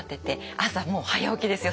朝もう早起きですよ。